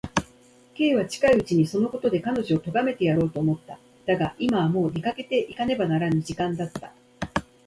Ｋ は近いうちにそのことで彼女をとがめてやろうと思った。だが、今はもう出かけていかねばならぬ時間だった。